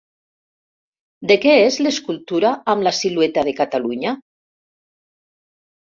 De què és l'escultura amb la silueta de Catalunya?